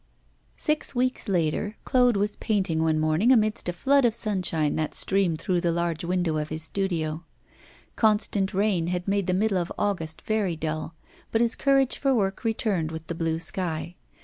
IV SIX weeks later, Claude was painting one morning amidst a flood of sunshine that streamed through the large window of his studio. Constant rain had made the middle of August very dull, but his courage for work returned with the blue sky.